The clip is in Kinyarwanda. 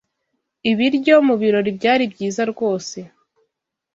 Ibiryo mubirori byari byiza rwose.